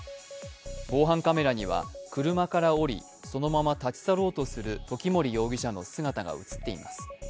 防犯カメラには車から降り、そのまま立ち去ろうとする時森容疑者の姿が映っています。